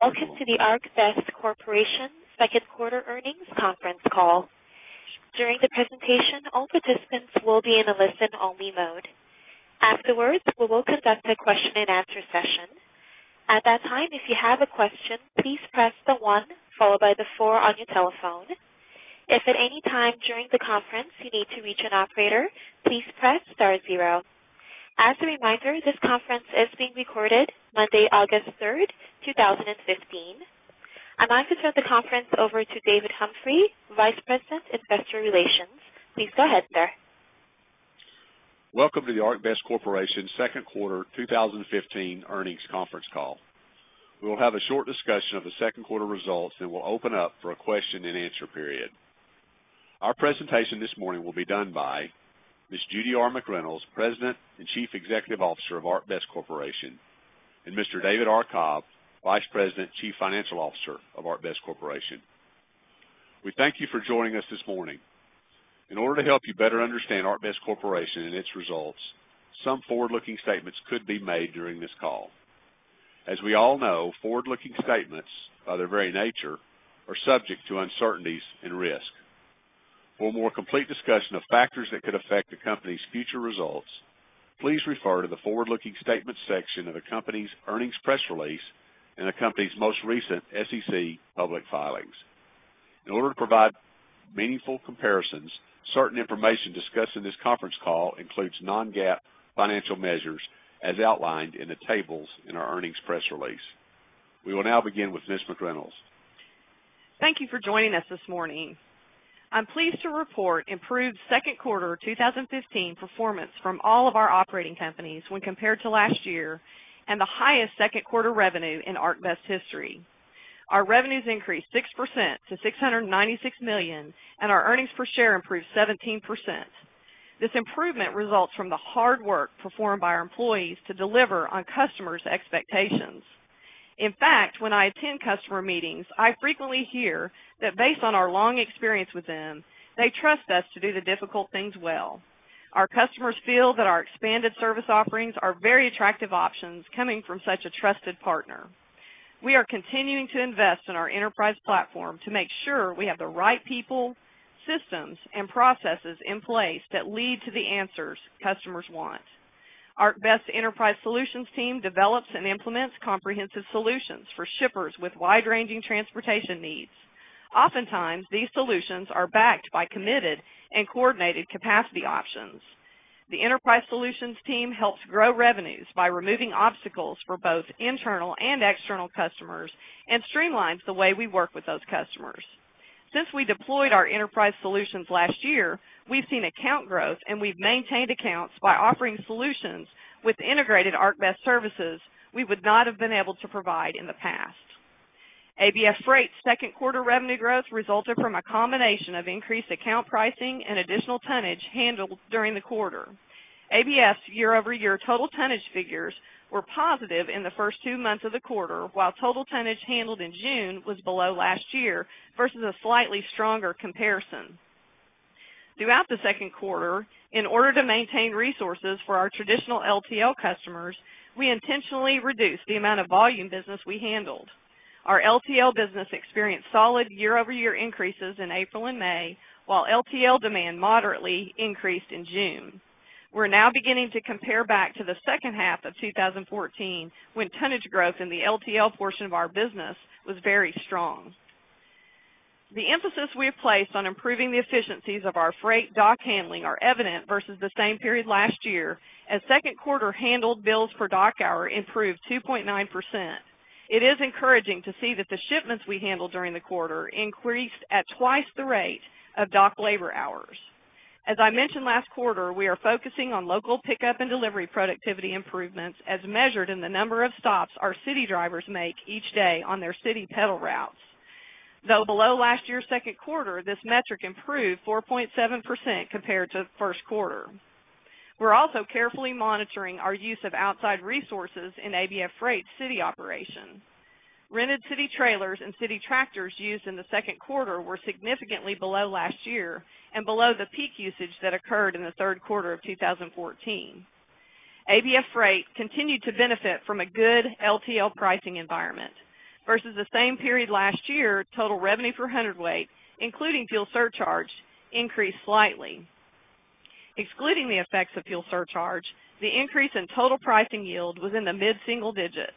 Welcome to the ArcBest Corporation Second Quarter Earnings Conference Call. During the presentation, all participants will be in a listen-only mode. Afterwards, we will conduct a question-and-answer session. At that time, if you have a question, please press the one followed by the four on your telephone. If at any time during the conference you need to reach an operator, please press star zero. As a reminder, this conference is being recorded Monday, August 3rd, 2015. I'm going to turn the conference over to David Humphrey, Vice President, Investor Relations. Please go ahead, sir. Welcome to the ArcBest Corporation second quarter 2015 earnings conference call. We will have a short discussion of the second quarter results, and we'll open up for a question-and-answer period. Our presentation this morning will be done by Ms. Judy R. McReynolds, President and Chief Executive Officer of ArcBest Corporation, and Mr. David R. Cobb, Vice President and Chief Financial Officer of ArcBest Corporation. We thank you for joining us this morning. In order to help you better understand ArcBest Corporation and its results, some forward-looking statements could be made during this call. As we all know, forward-looking statements, by their very nature, are subject to uncertainties and risk. For a more complete discussion of factors that could affect the company's future results, please refer to the forward-looking statements section of the company's earnings press release and the company's most recent SEC public filings. In order to provide meaningful comparisons, certain information discussed in this conference call includes non-GAAP financial measures as outlined in the tables in our earnings press release. We will now begin with Ms. McReynolds. Thank you for joining us this morning. I'm pleased to report improved second quarter 2015 performance from all of our operating companies when compared to last year and the highest second quarter revenue in ArcBest history. Our revenues increased 6% to $696 million, and our earnings per share improved 17%. This improvement results from the hard work performed by our employees to deliver on customers' expectations. In fact, when I attend customer meetings, I frequently hear that based on our long experience with them, they trust us to do the difficult things well. Our customers feel that our expanded service offerings are very attractive options coming from such a trusted partner. We are continuing to invest in our enterprise platform to make sure we have the right people, systems, and processes in place that lead to the answers customers want. ArcBest's Enterprise Solutions team develops and implements comprehensive solutions for shippers with wide-ranging transportation needs. Oftentimes, these solutions are backed by committed and coordinated capacity options. The Enterprise Solutions team helps grow revenues by removing obstacles for both internal and external customers and streamlines the way we work with those customers. Since we deployed our Enterprise Solutions last year, we've seen account growth, and we've maintained accounts by offering solutions with integrated ArcBest services we would not have been able to provide in the past. ABF Freight's second quarter revenue growth resulted from a combination of increased account pricing and additional tonnage handled during the quarter. ABF's year-over-year total tonnage figures were positive in the first two months of the quarter, while total tonnage handled in June was below last year versus a slightly stronger comparison. Throughout the second quarter, in order to maintain resources for our traditional LTL customers, we intentionally reduced the amount of volume business we handled. Our LTL business experienced solid year-over-year increases in April and May, while LTL demand moderately increased in June. We're now beginning to compare back to the second half of 2014 when tonnage growth in the LTL portion of our business was very strong. The emphasis we have placed on improving the efficiencies of our freight dock handling are evident versus the same period last year, as second quarter handled bills per dock hour improved 2.9%. It is encouraging to see that the shipments we handled during the quarter increased at twice the rate of dock labor hours. As I mentioned last quarter, we are focusing on local pickup and delivery productivity improvements as measured in the number of stops our city drivers make each day on their city peddle routes. Though below last year's second quarter, this metric improved 4.7% compared to first quarter. We're also carefully monitoring our use of outside resources in ABF Freight's city operation. Rented city trailers and city tractors used in the second quarter were significantly below last year and below the peak usage that occurred in the third quarter of 2014. ABF Freight continued to benefit from a good LTL pricing environment versus the same period last year, total revenue per hundredweight, including fuel surcharge, increased slightly. Excluding the effects of fuel surcharge, the increase in total pricing yield was in the mid-single digits.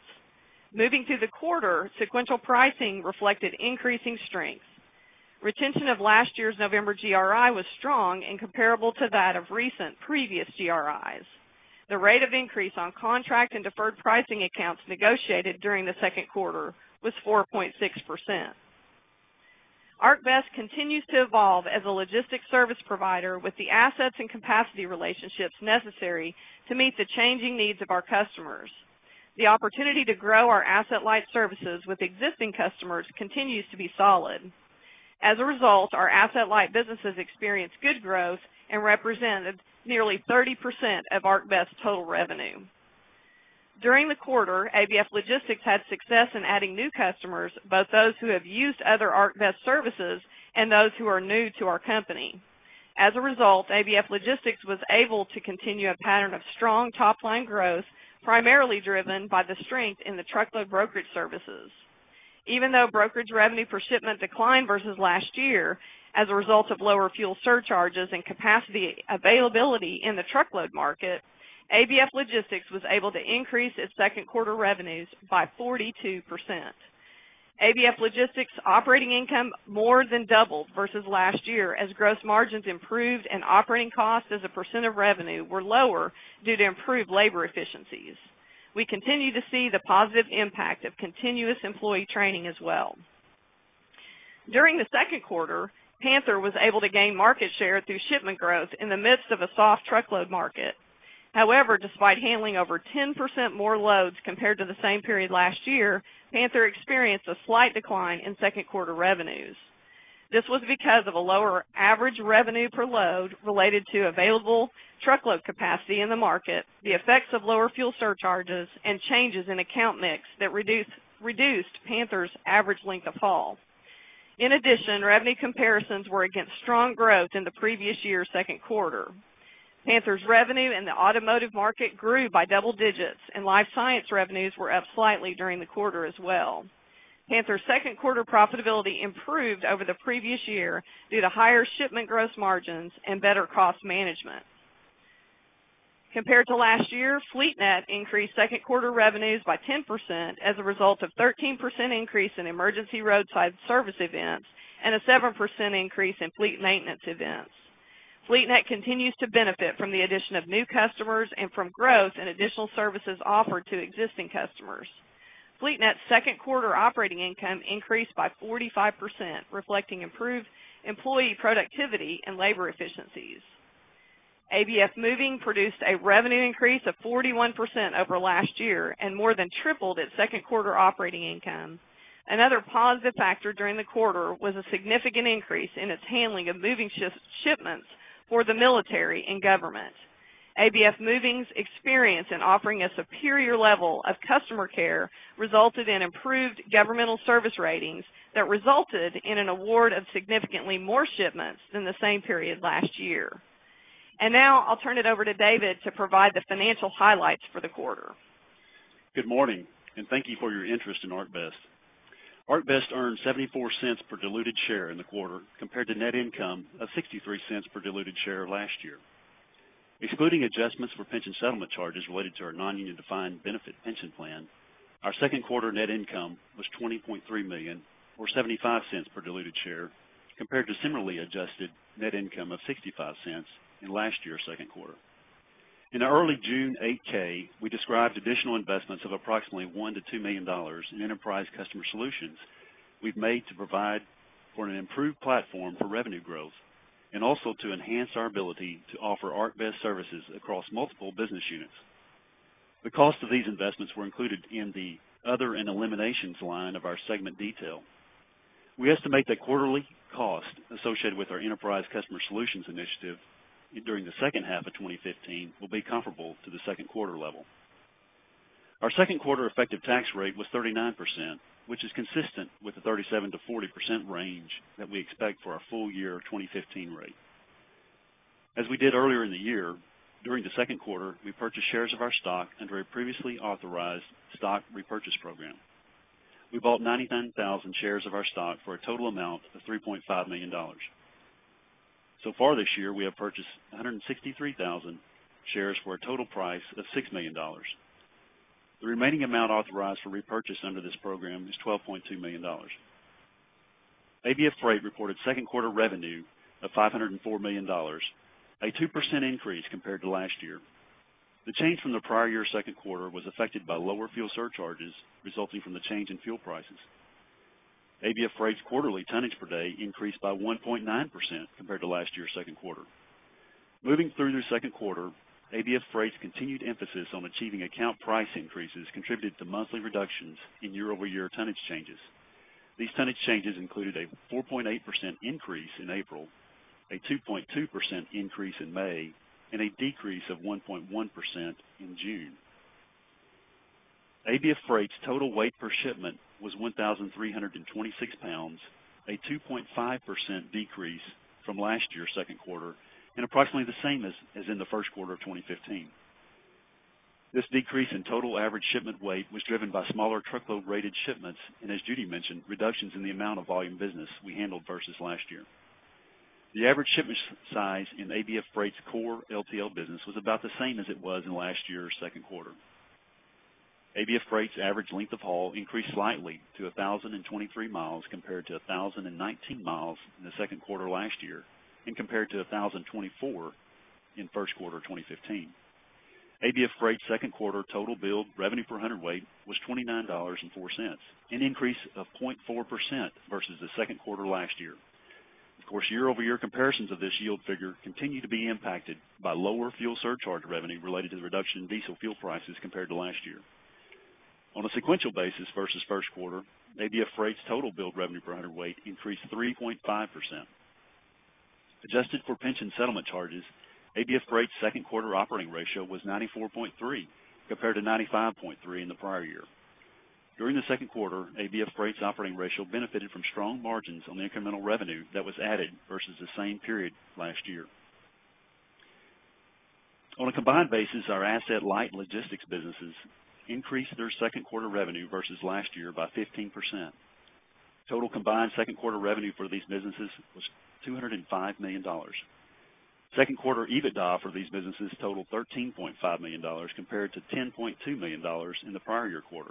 Moving through the quarter, sequential pricing reflected increasing strength. Retention of last year's November GRI was strong and comparable to that of recent previous GRIs. The rate of increase on contract and deferred pricing accounts negotiated during the second quarter was 4.6%. ArcBest continues to evolve as a logistics service provider with the assets and capacity relationships necessary to meet the changing needs of our customers. The opportunity to grow our asset-light services with existing customers continues to be solid. As a result, our asset-light businesses experience good growth and represent nearly 30% of ArcBest's total revenue. During the quarter, ABF Logistics had success in adding new customers, both those who have used other ArcBest services and those who are new to our company. As a result, ABF Logistics was able to continue a pattern of strong top-line growth, primarily driven by the strength in the truckload brokerage services. Even though brokerage revenue per shipment declined versus last year as a result of lower fuel surcharges and capacity availability in the truckload market, ABF Logistics was able to increase its second quarter revenues by 42%. ABF Logistics' operating income more than doubled versus last year as gross margins improved and operating costs as a percent of revenue were lower due to improved labor efficiencies. We continue to see the positive impact of continuous employee training as well. During the second quarter, Panther was able to gain market share through shipment growth in the midst of a soft truckload market. However, despite handling over 10% more loads compared to the same period last year, Panther experienced a slight decline in second quarter revenues. This was because of a lower average revenue per load related to available truckload capacity in the market, the effects of lower fuel surcharges, and changes in account mix that reduced Panther's average length of haul. In addition, revenue comparisons were against strong growth in the previous year's second quarter. Panther's revenue in the automotive market grew by double digits, and life science revenues were up slightly during the quarter as well. Panther's second quarter profitability improved over the previous year due to higher shipment gross margins and better cost management. Compared to last year, FleetNet increased second quarter revenues by 10% as a result of a 13% increase in emergency roadside service events and a 7% increase in fleet maintenance events. FleetNet continues to benefit from the addition of new customers and from growth in additional services offered to existing customers. FleetNet's second quarter operating income increased by 45%, reflecting improved employee productivity and labor efficiencies. ABF Moving produced a revenue increase of 41% over last year and more than tripled its second quarter operating income. Another positive factor during the quarter was a significant increase in its handling of moving shipments for the military and government. ABF Moving's experience in offering a superior level of customer care resulted in improved governmental service ratings that resulted in an award of significantly more shipments than the same period last year. Now I'll turn it over to David to provide the financial highlights for the quarter. Good morning, and thank you for your interest in ArcBest. ArcBest earned $0.74 per diluted share in the quarter compared to net income of $0.63 per diluted share last year. Excluding adjustments for pension settlement charges related to our non-union defined benefit pension plan, our second quarter net income was $20.3 million or $0.75 per diluted share compared to similarly adjusted net income of $0.65 in last year's second quarter. In our early June 8-K, we described additional investments of approximately $1-$2 million in enterprise customer solutions we've made to provide for an improved platform for revenue growth and also to enhance our ability to offer ArcBest services across multiple business units. The cost of these investments were included in the other and eliminations line of our segment detail. We estimate that quarterly cost associated with our enterprise customer solutions initiative during the second half of 2015 will be comparable to the second quarter level. Our second quarter effective tax rate was 39%, which is consistent with the 37%-40% range that we expect for our full year 2015 rate. As we did earlier in the year, during the second quarter, we purchased shares of our stock under a previously authorized stock repurchase program. We bought 99,000 shares of our stock for a total amount of $3.5 million. So far this year, we have purchased 163,000 shares for a total price of $6 million. The remaining amount authorized for repurchase under this program is $12.2 million. ABF Freight reported second quarter revenue of $504 million, a 2% increase compared to last year. The change from the prior year's second quarter was affected by lower fuel surcharges resulting from the change in fuel prices. ABF Freight's quarterly tonnage per day increased by 1.9% compared to last year's second quarter. Moving through their second quarter, ABF Freight's continued emphasis on achieving account price increases contributed to monthly reductions in year-over-year tonnage changes. These tonnage changes included a 4.8% increase in April, a 2.2% increase in May, and a decrease of 1.1% in June. ABF Freight's total weight per shipment was 1,326 pounds, a 2.5% decrease from last year's second quarter and approximately the same as in the first quarter of 2015. This decrease in total average shipment weight was driven by smaller truckload-rated shipments and, as Judy mentioned, reductions in the amount of volume business we handled versus last year. The average shipment size in ABF Freight's core LTL business was about the same as it was in last year's second quarter. ABF Freight's average length of haul increased slightly to 1,023 miles compared to 1,019 miles in the second quarter last year and compared to 1,024 in first quarter 2015. ABF Freight's second quarter total billed revenue per hundredweight was $29.04, an increase of 0.4% versus the second quarter last year. Of course, year-over-year comparisons of this yield figure continue to be impacted by lower fuel surcharge revenue related to the reduction in diesel fuel prices compared to last year. On a sequential basis versus first quarter, ABF Freight's total billed revenue per hundredweight increased 3.5%. Adjusted for pension settlement charges, ABF Freight's second quarter operating ratio was 94.3 compared to 95.3 in the prior year. During the second quarter, ABF Freight's operating ratio benefited from strong margins on the incremental revenue that was added versus the same period last year. On a combined basis, our asset-light logistics businesses increased their second quarter revenue versus last year by 15%. Total combined second quarter revenue for these businesses was $205 million. Second quarter EBITDA for these businesses totaled $13.5 million compared to $10.2 million in the prior year quarter.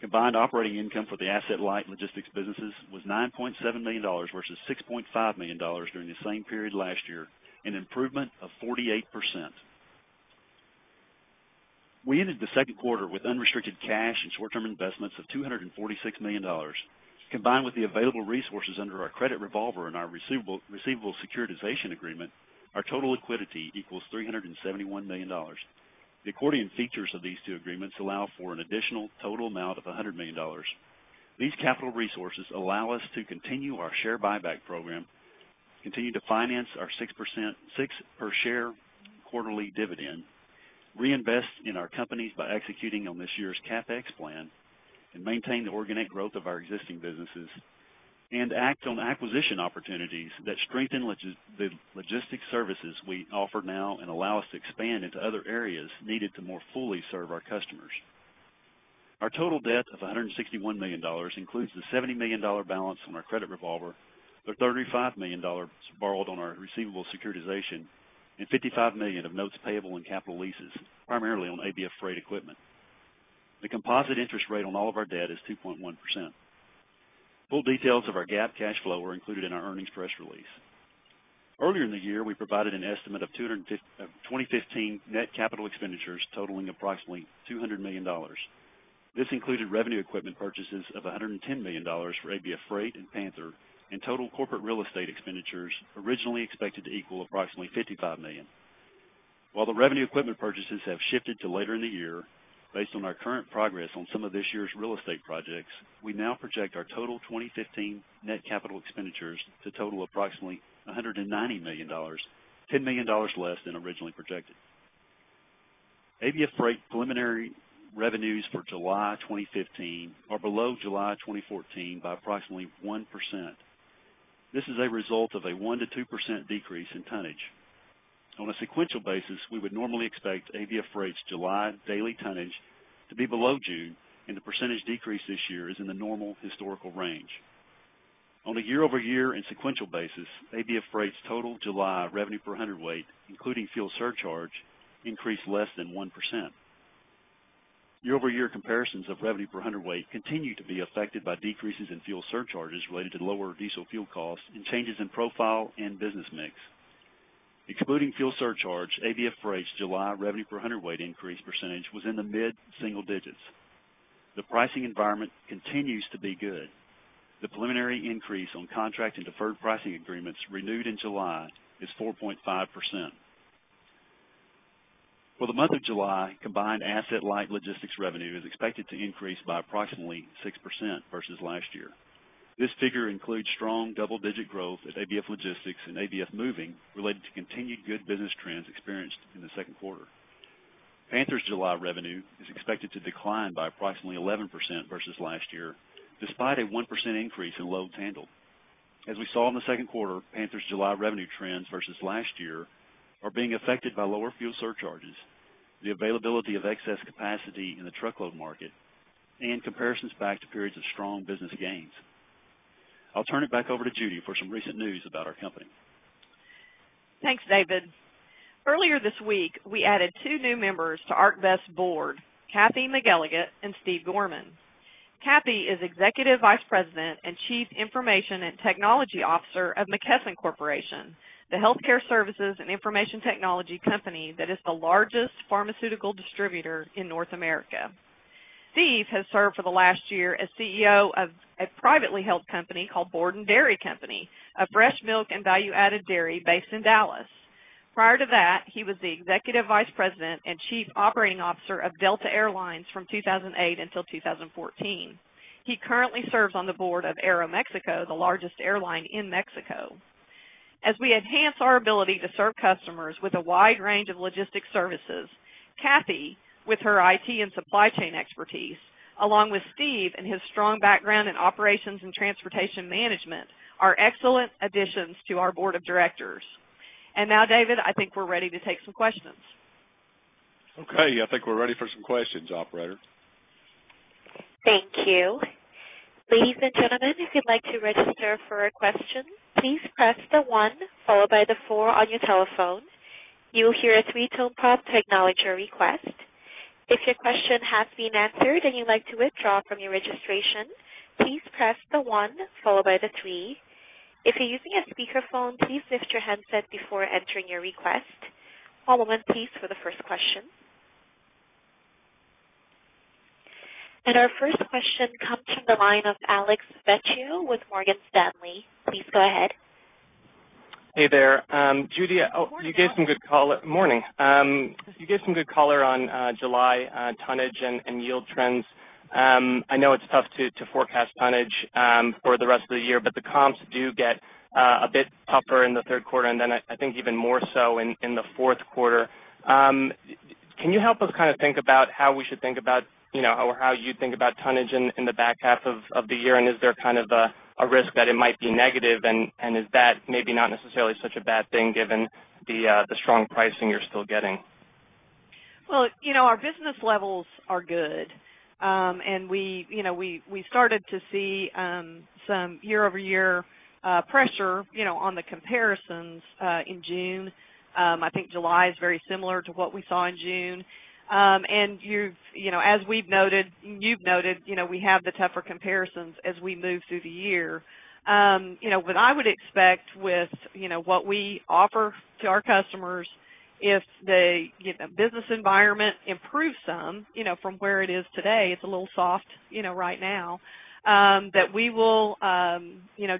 Combined operating income for the asset-light logistics businesses was $9.7 million versus $6.5 million during the same period last year, an improvement of 48%. We ended the second quarter with unrestricted cash and short-term investments of $246 million. Combined with the available resources under our credit revolver and our receivables securitization agreement, our total liquidity equals $371 million. The accordion features of these two agreements allow for an additional total amount of $100 million. These capital resources allow us to continue our share buyback program, continue to finance our 6% per share quarterly dividend, reinvest in our companies by executing on this year's CapEx plan and maintain the organic growth of our existing businesses, and act on acquisition opportunities that strengthen the logistics services we offer now and allow us to expand into other areas needed to more fully serve our customers. Our total debt of $161 million includes the $70 million balance on our credit revolver, the $35 million borrowed on our receivable securitization, and $55 million of notes payable in capital leases, primarily on ABF Freight equipment. The composite interest rate on all of our debt is 2.1%. Full details of our GAAP cash flow are included in our earnings press release. Earlier in the year, we provided an estimate of 2015 net capital expenditures totaling approximately $200 million. This included revenue equipment purchases of $110 million for ABF Freight and Panther and total corporate real estate expenditures originally expected to equal approximately $55 million. While the revenue equipment purchases have shifted to later in the year, based on our current progress on some of this year's real estate projects, we now project our total 2015 net capital expenditures to total approximately $190 million, $10 million less than originally projected. ABF Freight preliminary revenues for July 2015 are below July 2014 by approximately 1%. This is a result of a 1%-2% decrease in tonnage. On a sequential basis, we would normally expect ABF Freight's July daily tonnage to be below June, and the percentage decrease this year is in the normal historical range. On a year-over-year and sequential basis, ABF Freight's total July revenue per hundredweight, including fuel surcharge, increased less than 1%. Year-over-year comparisons of revenue per hundredweight continue to be affected by decreases in fuel surcharges related to lower diesel fuel costs and changes in profile and business mix. Excluding fuel surcharge, ABF Freight's July revenue per hundredweight increase percentage was in the mid-single digits. The pricing environment continues to be good. The preliminary increase on contract and deferred pricing agreements renewed in July is 4.5%. For the month of July, combined asset-light logistics revenue is expected to increase by approximately 6% versus last year. This figure includes strong double-digit growth at ABF Logistics and ABF Moving related to continued good business trends experienced in the second quarter. Panther's July revenue is expected to decline by approximately 11% versus last year, despite a 1% increase in loads handled. As we saw in the second quarter, Panther's July revenue trends versus last year are being affected by lower fuel surcharges, the availability of excess capacity in the truckload market, and comparisons back to periods of strong business gains. I'll turn it back over to Judy for some recent news about our company. Thanks, David. Earlier this week, we added two new members to ArcBest's board, Kathy McElligott and Stephen Gorman. Kathleen is Executive Vice President and Chief Information and Technology Officer of McKesson Corporation, the healthcare services and information technology company that is the largest pharmaceutical distributor in North America. Stephen has served for the last year as CEO of a privately held company called Borden Dairy Company, a fresh milk and value-added dairy based in Dallas. Prior to that, he was the Executive Vice President and Chief Operating Officer of Delta Air Lines from 2008 until 2014. He currently serves on the board of Aeromexico, the largest airline in Mexico. As we enhance our ability to serve customers with a wide range of logistics services, Kathy, with her IT and supply chain expertise, along with Steve and his strong background in operations and transportation management, are excellent additions to our board of directors. And now, David, I think we're ready to take some questions. Okay, I think we're ready for some questions, operator. Thank you. Ladies and gentlemen, if you'd like to register for a question, please press the one followed by the four on your telephone. You will hear a 3-tone pop to acknowledge your request. If your question has been answered and you'd like to withdraw from your registration, please press the one followed by the three. If you're using a speakerphone, please lift your headset before entering your request. One moment, please, for the first question. Our first question comes from the line of Alex Vecchio with Morgan Stanley. Please go ahead. Hey there. Good morning, Judy. You gave some good color on July tonnage and yield trends. I know it's tough to forecast tonnage for the rest of the year, but the comps do get a bit tougher in the third quarter and then I think even more so in the fourth quarter. Can you help us kind of think about how we should think about or how you'd think about tonnage in the back half of the year? And is there kind of a risk that it might be negative, and is that maybe not necessarily such a bad thing given the strong pricing you're still getting? Well, our business levels are good, and we started to see some year-over-year pressure on the comparisons in June. I think July is very similar to what we saw in June. And as we've noted, you've noted, we have the tougher comparisons as we move through the year. What I would expect with what we offer to our customers, if the business environment improves some from where it is today, it's a little soft right now, that we will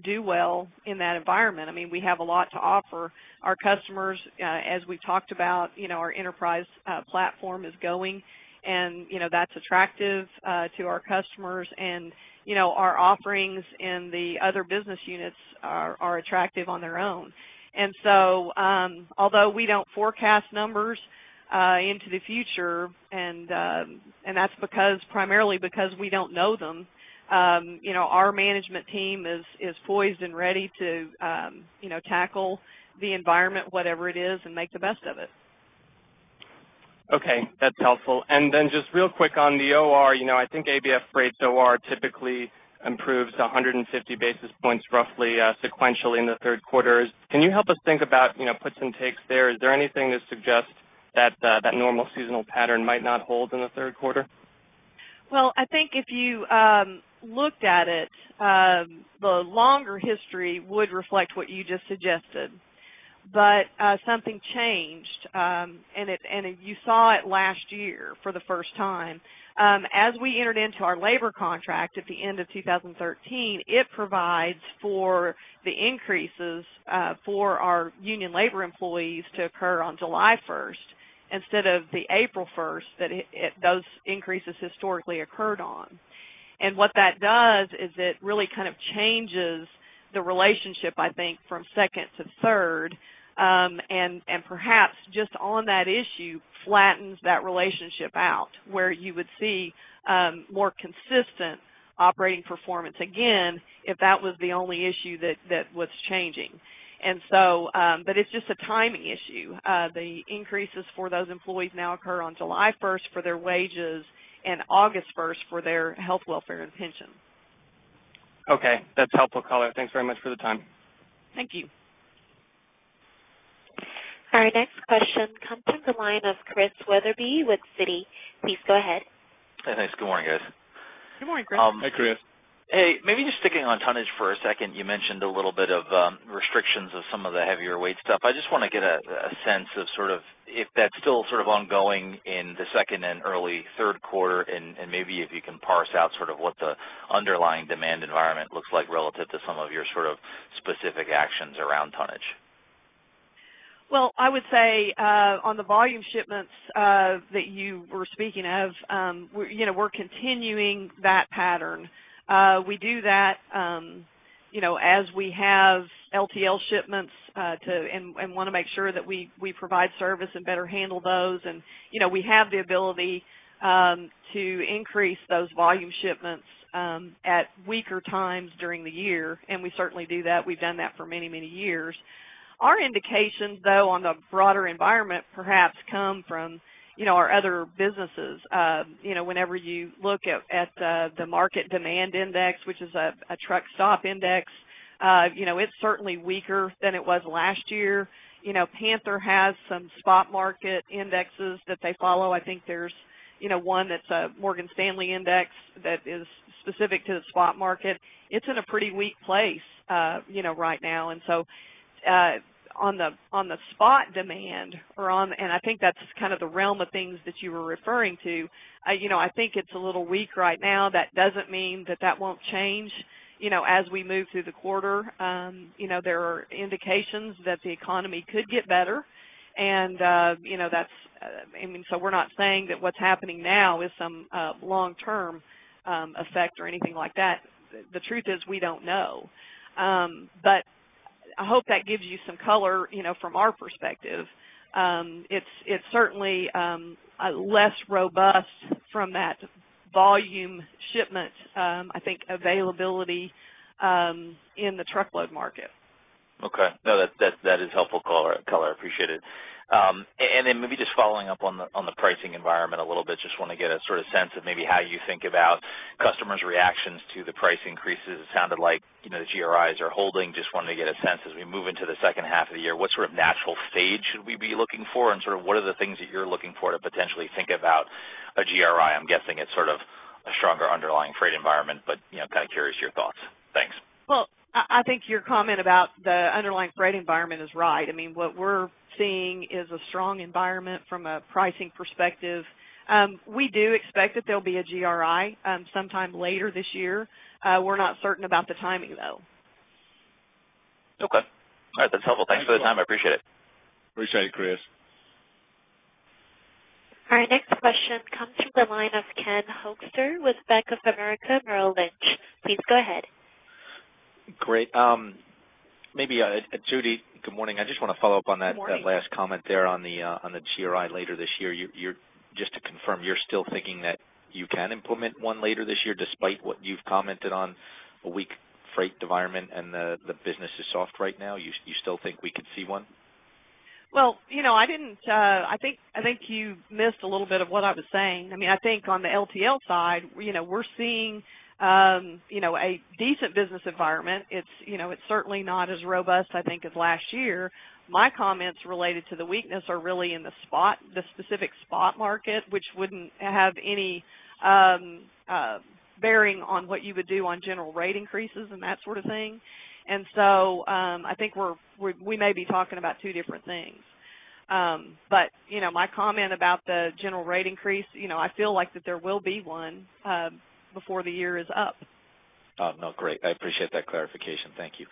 do well in that environment. I mean, we have a lot to offer. Our customers, as we've talked about, our enterprise platform is going, and that's attractive to our customers. And our offerings in the other business units are attractive on their own. And so although we don't forecast numbers into the future, and that's primarily because we don't know them, our management team is poised and ready to tackle the environment, whatever it is, and make the best of it. Okay, that's helpful. Then just real quick on the OR, I think ABF Freight's OR typically improves 150 basis points roughly sequentially in the third quarter. Can you help us think about puts and takes there? Is there anything to suggest that normal seasonal pattern might not hold in the third quarter? Well, I think if you looked at it, the longer history would reflect what you just suggested. But something changed, and you saw it last year for the first time. As we entered into our labor contract at the end of 2013, it provides for the increases for our union labor employees to occur on July 1st instead of the April 1st that those increases historically occurred on. And what that does is it really kind of changes the relationship, I think, from second to third and perhaps just on that issue, flattens that relationship out where you would see more consistent operating performance, again, if that was the only issue that was changing. But it's just a timing issue. The increases for those employees now occur on July 1st for their wages and August 1st for their health, welfare, and pensions. Okay, that's helpful color. Thanks very much for the time. Thank you. All right, next question comes from the line of Chris Wetherbee with Citi. Please go ahead. Hey, thanks. Good morning, guys. Good morning, Chris. Hey, Chris. Hey, maybe just sticking on tonnage for a second. You mentioned a little bit of restrictions of some of the heavier weight stuff. I just want to get a sense of sort of if that's still sort of ongoing in the second and early third quarter, and maybe if you can parse out sort of what the underlying demand environment looks like relative to some of your sort of specific actions around tonnage. Well, I would say on the volume shipments that you were speaking of, we're continuing that pattern. We do that as we have LTL shipments and want to make sure that we provide service and better handle those. And we have the ability to increase those volume shipments at weaker times during the year, and we certainly do that. We've done that for many, many years. Our indications, though, on the broader environment perhaps come from our other businesses. Whenever you look at the Market Demand Index, which is a truck stop index, it's certainly weaker than it was last year. Panther has some spot market indexes that they follow. I think there's one that's a Morgan Stanley index that is specific to the spot market. It's in a pretty weak place right now. And so, on the spot demand or one, and I think that's kind of the realm of things that you were referring to. I think it's a little weak right now. That doesn't mean that that won't change as we move through the quarter. There are indications that the economy could get better, and that's—I mean, so we're not saying that what's happening now is some long-term effect or anything like that. The truth is we don't know. But I hope that gives you some color from our perspective. It's certainly less robust from that volume shipment, I think, availability in the truckload market. Okay. No, that is helpful color. I appreciate it. And then maybe just following up on the pricing environment a little bit, just want to get a sort of sense of maybe how you think about customers' reactions to the price increases. It sounded like the GRIs are holding. Just wanted to get a sense as we move into the second half of the year. What sort of natural stage should we be looking for, and sort of what are the things that you're looking for to potentially think about a GRI? I'm guessing it's sort of a stronger underlying freight environment, but kind of curious your thoughts. Thanks. Well, I think your comment about the underlying freight environment is right. I mean, what we're seeing is a strong environment from a pricing perspective. We do expect that there'll be a GRI sometime later this year. We're not certain about the timing, though. Okay. All right, that's helpful. Thanks for the time. I appreciate it. Appreciate it, Chris. All right, next question comes from the line of Ken Hoexter with Bank of America Merrill Lynch. Please go ahead. Great. Maybe, Judy, good morning. I just want to follow up on that last comment there on the GRI later this year. Just to confirm, you're still thinking that you can implement one later this year despite what you've commented on a weak freight environment and the business is soft right now? You still think we could see one? Well, I didn't, I think you missed a little bit of what I was saying. I mean, I think on the LTL side, we're seeing a decent business environment. It's certainly not as robust, I think, as last year. My comments related to the weakness are really in the specific spot market, which wouldn't have any bearing on what you would do on General Rate Increases and that sort of thing. And so I think we may be talking about two different things. But my comment about the General Rate Increase, I feel like that there will be one before the year is up. Oh, no, great. I appreciate that clarification. Thank you.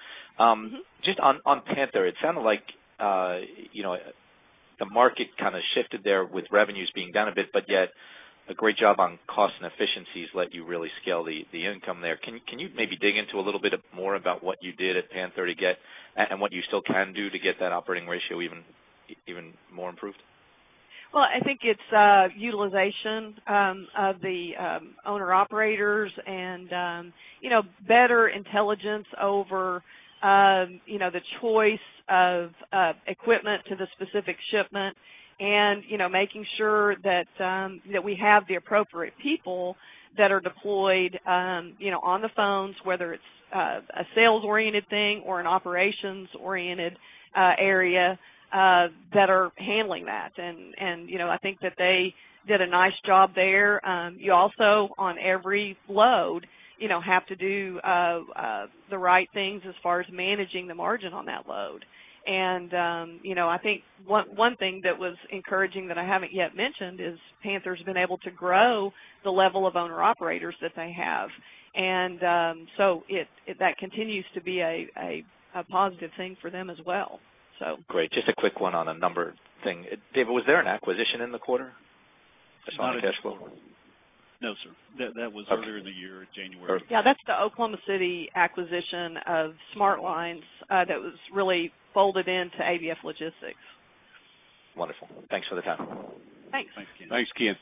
Just on Panther, it sounded like the market kind of shifted there with revenues being down a bit, but yet a great job on cost and efficiencies let you really scale the income there. Can you maybe dig into a little bit more about what you did at Panther to get and what you still can do to get that operating ratio even more improved? Well, I think it's utilization of the owner-operators and better intelligence over the choice of equipment to the specific shipment and making sure that we have the appropriate people that are deployed on the phones, whether it's a sales-oriented thing or an operations-oriented area, that are handling that. And I think that they did a nice job there. You also, on every load, have to do the right things as far as managing the margin on that load. And I think one thing that was encouraging that I haven't yet mentioned is Panther's been able to grow the level of owner-operators that they have. And so that continues to be a positive thing for them as well, so. Great. Just a quick one on a number thing. David, was there an acquisition in the quarter? Just on the cash flow. No, sir. That was earlier in the year, January. Yeah, that's the Oklahoma City acquisition of Smart Lines that was really folded into ABF Logistics. Wonderful. Thanks for the time. Thanks. Thanks, Ken.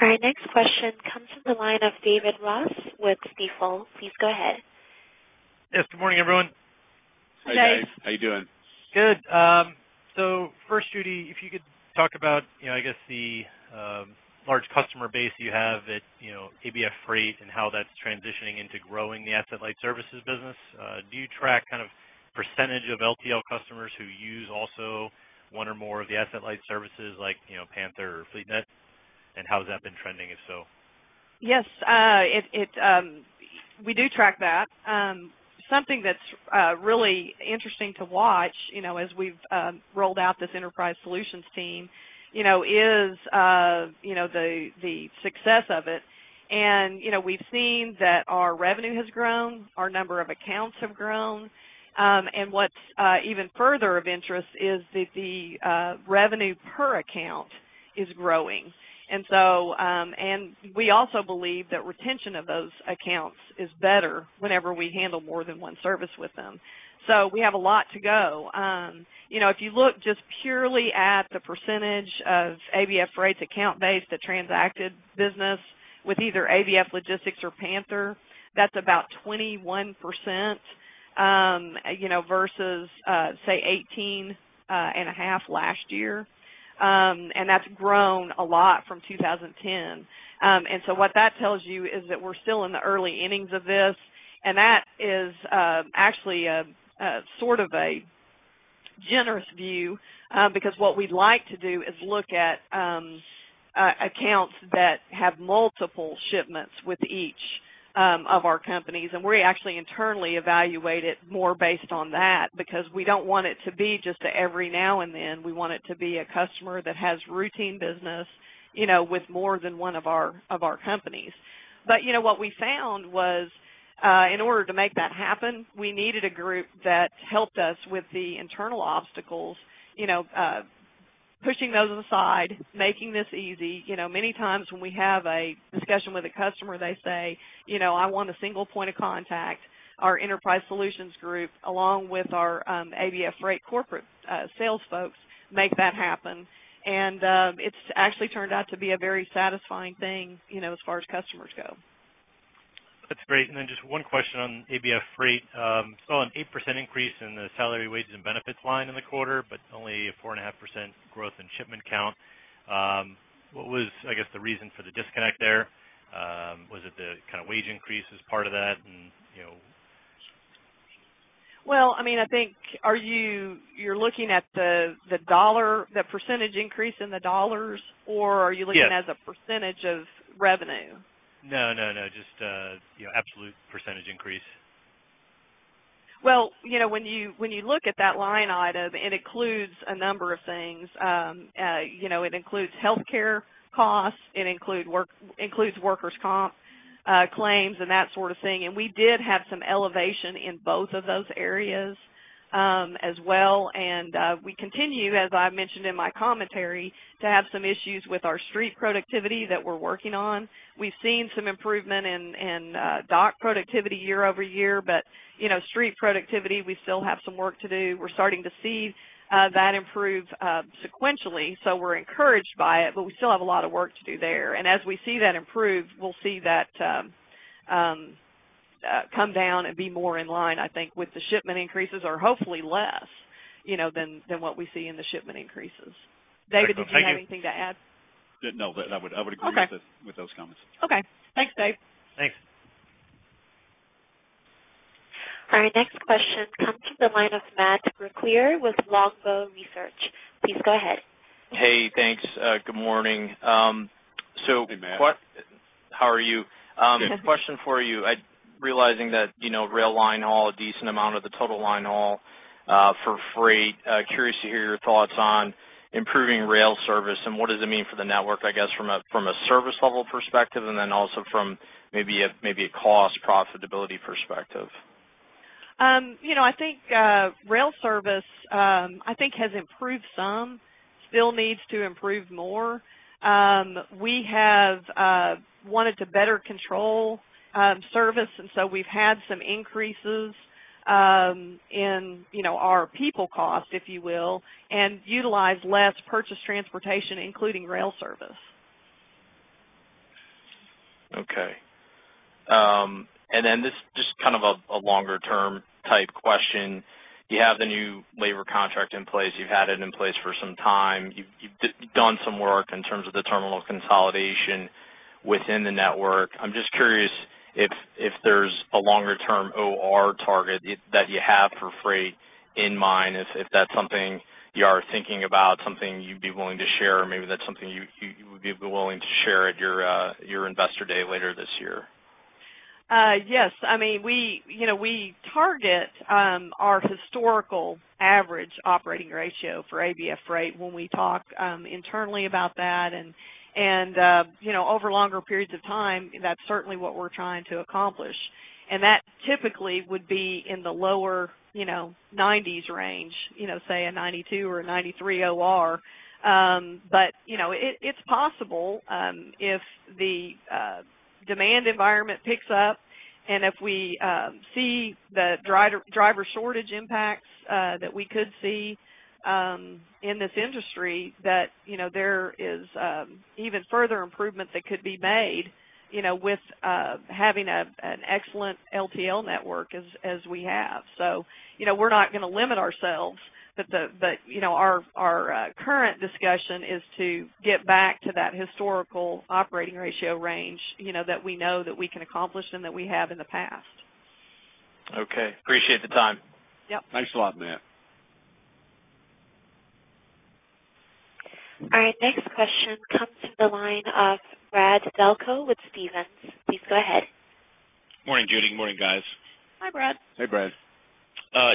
All right, next question comes from the line of David Ross with Stifel. Please go ahead. Yes, good morning, everyone. Hey, Dave. How you doing? Good. So first, Judy, if you could talk about, I guess, the large customer base you have at ABF Freight and how that's transitioning into growing the asset-light services business. Do you track kind of percentage of LTL customers who use also one or more of the asset-light services like Panther or FleetNet, and how has that been trending, if so? Yes, we do track that. Something that's really interesting to watch as we've rolled out this enterprise solutions team is the success of it. And we've seen that our revenue has grown, our number of accounts have grown. And what's even further of interest is that the revenue per account is growing. And we also believe that retention of those accounts is better whenever we handle more than one service with them. So we have a lot to go. If you look just purely at the percentage of ABF Freight's account base that transacted business with either ABF Logistics or Panther, that's about 21% versus, say, 18.5% last year. And that's grown a lot from 2010. And so what that tells you is that we're still in the early innings of this. That is actually sort of a generous view because what we'd like to do is look at accounts that have multiple shipments with each of our companies. We actually internally evaluate it more based on that because we don't want it to be just an every now and then. We want it to be a customer that has routine business with more than one of our companies. But what we found was, in order to make that happen, we needed a group that helped us with the internal obstacles, pushing those aside, making this easy. Many times when we have a discussion with a customer, they say, "I want a single point of contact." Our enterprise solutions group, along with our ABF Freight corporate sales folks, make that happen. It's actually turned out to be a very satisfying thing as far as customers go. That's great. And then just one question on ABF Freight. Saw an 8% increase in the salary, wages, and benefits line in the quarter, but only a 4.5% growth in shipment count. What was, I guess, the reason for the disconnect there? Was it the kind of wage increase as part of that and? Well, I mean, I think you're looking at the percentage increase in the dollars, or are you looking as a percentage of revenue? No, no, no. Just absolute percentage increase. Well, when you look at that line item, it includes a number of things. It includes healthcare costs. It includes workers' comp claims and that sort of thing. We did have some elevation in both of those areas as well. We continue, as I mentioned in my commentary, to have some issues with our street productivity that we're working on. We've seen some improvement in dock productivity year-over-year, but street productivity, we still have some work to do. We're starting to see that improve sequentially, so we're encouraged by it, but we still have a lot of work to do there. As we see that improve, we'll see that come down and be more in line, I think, with the shipment increases or hopefully less than what we see in the shipment increases. David, did you have anything to add? No, I would agree with those comments. Okay. Thanks, Dave. Thanks. All right, next question comes from the line of Matt Brooklier with Longbow Research. Please go ahead. Hey, thanks. Good morning. So. Hey, Matt. How are you? Question for you. I'm realizing that rail line haul, a decent amount of the total line haul for freight. Curious to hear your thoughts on improving rail service and what does it mean for the network, I guess, from a service level perspective and then also from maybe a cost/profitability perspective. I think rail service, I think, has improved some, still needs to improve more. We have wanted to better control service, and so we've had some increases in our people cost, if you will, and utilized less purchased transportation, including rail service. Okay. And then this is just kind of a longer-term type question. You have the new labor contract in place. You've had it in place for some time. You've done some work in terms of the terminal consolidation within the network. I'm just curious if there's a longer-term OR target that you have for freight in mind, if that's something you are thinking about, something you'd be willing to share, or maybe that's something you would be willing to share at your investor day later this year. Yes. I mean, we target our historical average operating ratio for ABF Freight when we talk internally about that. And over longer periods of time, that's certainly what we're trying to accomplish. And that typically would be in the lower 90s range, say a 92 or a 93 OR. But it's possible if the demand environment picks up and if we see the driver shortage impacts that we could see in this industry, that there is even further improvement that could be made with having an excellent LTL network as we have. So we're not going to limit ourselves, but our current discussion is to get back to that historical operating ratio range that we know that we can accomplish and that we have in the past. Okay. Appreciate the time. Yep. Thanks a lot, Matt. All right, next question comes from the line of Brad Delco with Stephens. Please go ahead. Morning, Judy. Good morning, guys. Hi, Brad. Hey, Brad.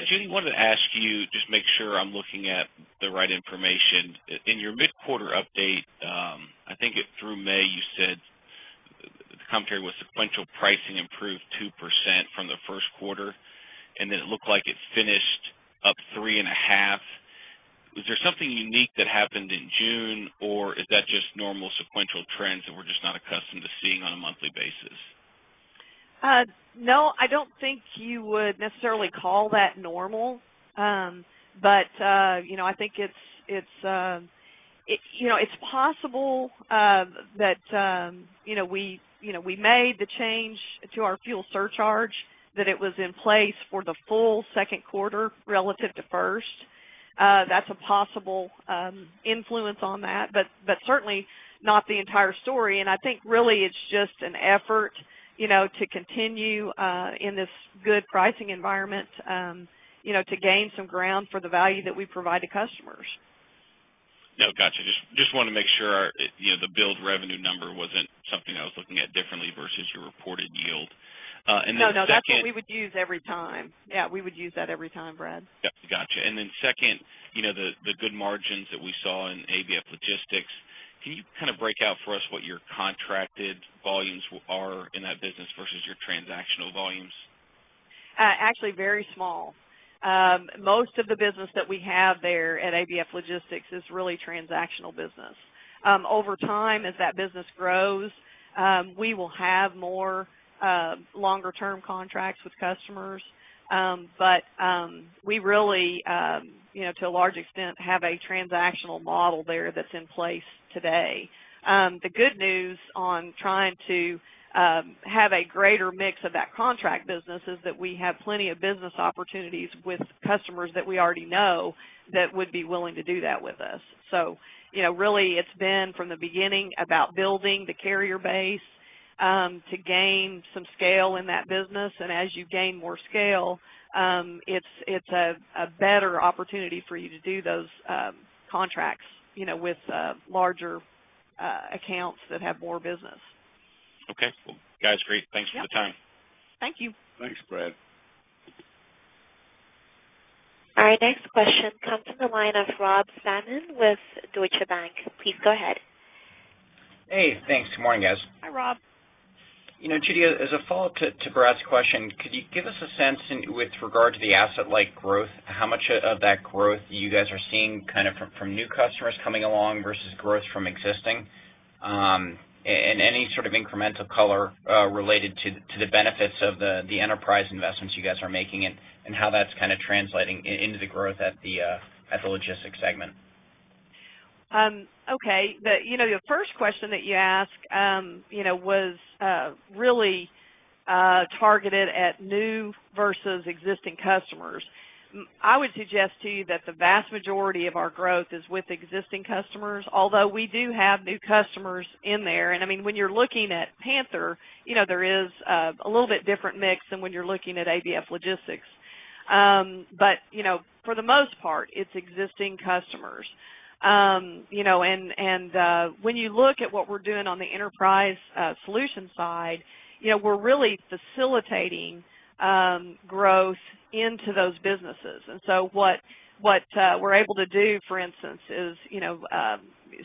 Judy, wanted to ask you, just make sure I'm looking at the right information. In your mid-quarter update, I think it through May, you said the commentary was sequential pricing improved 2% from the first quarter, and then it looked like it finished up 3.5. Was there something unique that happened in June, or is that just normal sequential trends that we're just not accustomed to seeing on a monthly basis? No, I don't think you would necessarily call that normal. But I think it's possible that we made the change to our fuel surcharge, that it was in place for the full second quarter relative to first. That's a possible influence on that, but certainly not the entire story. And I think really it's just an effort to continue in this good pricing environment to gain some ground for the value that we provide to customers. No, gotcha. Just wanted to make sure the build revenue number wasn't something I was looking at differently versus your reported yield. And then second. No, no, that's what we would use every time. Yeah, we would use that every time, Brad. Yep, gotcha. And then second, the good margins that we saw in ABF Logistics, can you kind of break out for us what your contracted volumes are in that business versus your transactional volumes? Actually, very small. Most of the business that we have there at ABF Logistics is really transactional business. Over time, as that business grows, we will have more longer-term contracts with customers. But we really, to a large extent, have a transactional model there that's in place today. The good news on trying to have a greater mix of that contract business is that we have plenty of business opportunities with customers that we already know that would be willing to do that with us. So really, it's been from the beginning about building the carrier base to gain some scale in that business. And as you gain more scale, it's a better opportunity for you to do those contracts with larger accounts that have more business. Okay. Well, guys, great. Thanks for the time. Thank you. Thanks, Brad. All right, next question comes from the line of Rob Salmon with Deutsche Bank. Please go ahead. Hey, thanks. Good morning, guys. Hi, Rob. Judy, as a follow-up to Brad's question, could you give us a sense with regard to the asset-light growth, how much of that growth you guys are seeing kind of from new customers coming along versus growth from existing? And any sort of incremental color related to the benefits of the enterprise investments you guys are making and how that's kind of translating into the growth at the logistics segment. Okay. The first question that you asked was really targeted at new versus existing customers. I would suggest to you that the vast majority of our growth is with existing customers, although we do have new customers in there. And I mean, when you're looking at Panther, there is a little bit different mix than when you're looking at ABF Logistics. But for the most part, it's existing customers. And when you look at what we're doing on the enterprise solution side, we're really facilitating growth into those businesses. And so what we're able to do, for instance, is,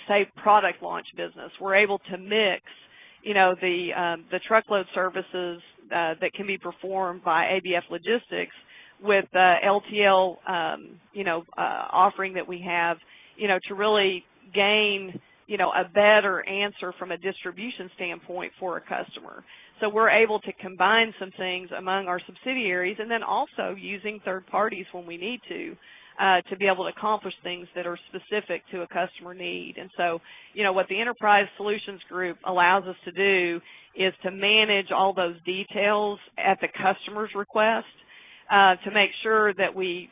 say, product launch business. We're able to mix the truckload services that can be performed by ABF Logistics with the LTL offering that we have to really gain a better answer from a distribution standpoint for a customer. So we're able to combine some things among our subsidiaries and then also using third parties when we need to to be able to accomplish things that are specific to a customer need. And so what the enterprise solutions group allows us to do is to manage all those details at the customer's request to make sure that we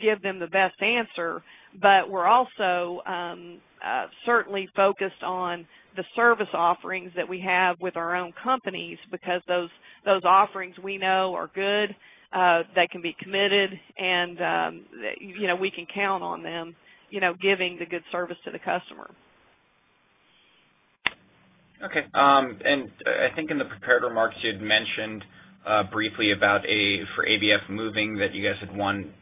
give them the best answer. But we're also certainly focused on the service offerings that we have with our own companies because those offerings we know are good, that can be committed, and we can count on them giving the good service to the customer. Okay. And I think in the prepared remarks, you had mentioned briefly about for ABF Moving that you guys had won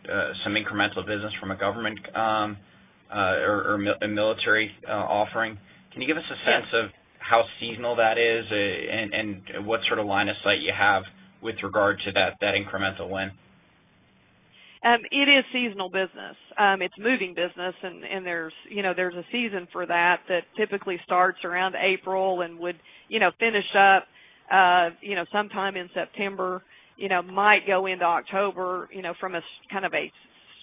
some incremental business from a government or a military offering. Can you give us a sense of how seasonal that is and what sort of line of sight you have with regard to that incremental win? It is seasonal business. It's moving business, and there's a season for that that typically starts around April and would finish up sometime in September, might go into October from kind of a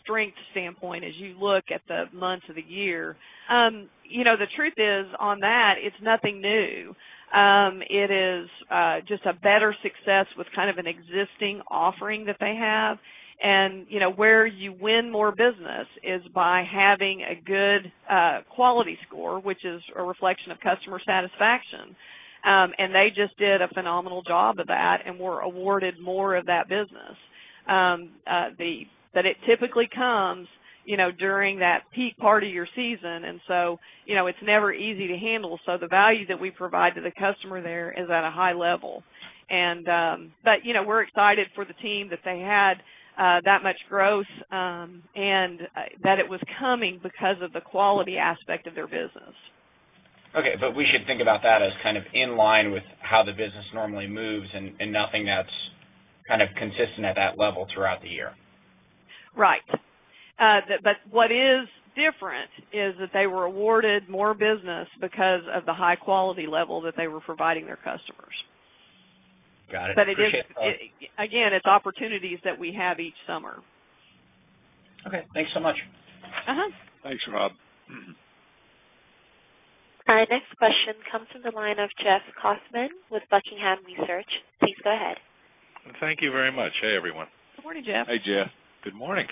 strength standpoint as you look at the months of the year. The truth is, on that, it's nothing new. It is just a better success with kind of an existing offering that they have. And where you win more business is by having a good quality score, which is a reflection of customer satisfaction. And they just did a phenomenal job of that and were awarded more of that business. But it typically comes during that peak part of your season, and so it's never easy to handle. So the value that we provide to the customer there is at a high level. But we're excited for the team that they had that much growth and that it was coming because of the quality aspect of their business. Okay. But we should think about that as kind of in line with how the business normally moves and nothing that's kind of consistent at that level throughout the year. Right. But what is different is that they were awarded more business because of the high-quality level that they were providing their customers. Got it. Appreciate that. But again, it's opportunities that we have each summer. Okay. Thanks so much. Thanks, Rob. All right, next question comes from the line of Jeff Kauffman with Buckingham Research. Please go ahead. Thank you very much. Hey, everyone. Good morning, Jeff. Hey, Jeff. Good morning.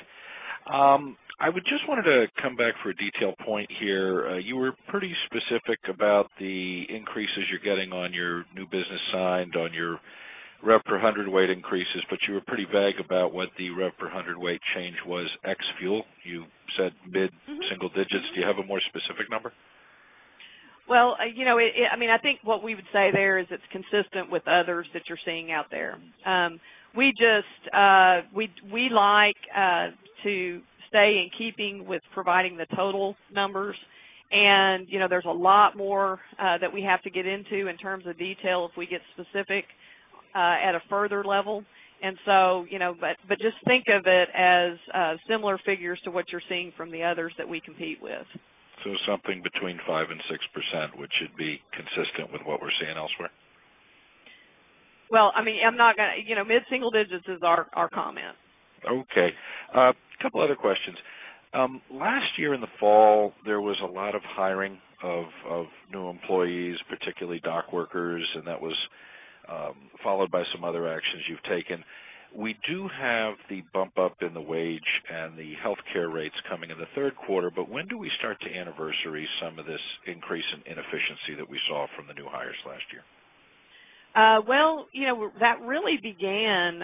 I would just wanted to come back for a detailed point here. You were pretty specific about the increases you're getting on your new business signed, on your rep per 100 weight increases, but you were pretty vague about what the rep per 100 weight change was ex-fuel. You said mid-single digits. Do you have a more specific number? Well, I mean, I think what we would say there is it's consistent with others that you're seeing out there. We like to stay in keeping with providing the total numbers, and there's a lot more that we have to get into in terms of detail if we get specific at a further level. But just think of it as similar figures to what you're seeing from the others that we compete with. Something between 5% and 6%, which should be consistent with what we're seeing elsewhere? Well, I mean, I'm not going to mid-single digits is our comment. Okay. A couple of other questions. Last year in the fall, there was a lot of hiring of new employees, particularly dock workers, and that was followed by some other actions you've taken. We do have the bump-up in the wage and the healthcare rates coming in the third quarter, but when do we start to anniversary some of this increase in inefficiency that we saw from the new hires last year? Well, that really began